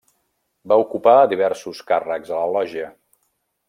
Va ocupar diversos càrrecs a la lògia.